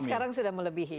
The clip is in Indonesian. tapi sekarang sudah melebihi